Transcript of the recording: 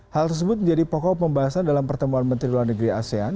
hal tersebut menjadi pokok pembahasan dalam pertemuan menteri luar negeri asean